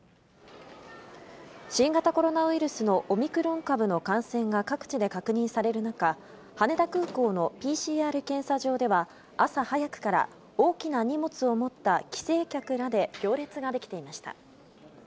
新型コロナウイルスのオミクロン株の感染が各地で確認される中、羽田空港のＰＣＲ検査場では、朝早くから大きな荷物を持った帰省客らで行列が出来ていました。